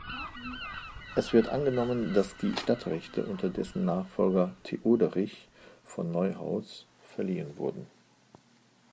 Es wird angenommen, dass die Stadtrechte unter dessen Nachfolger Theoderich von Neuhaus verliehen wurden.